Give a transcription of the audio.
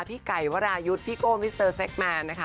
พี่ไก่วรายุทธ์พี่โก้มิสเตอร์เซ็กแมนนะคะ